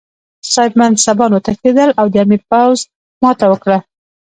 صاحب منصبان وتښتېدل او د امیر پوځ ماته وکړه.